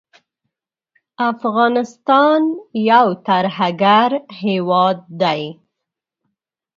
افغانستان یو ترهګر هیواد دی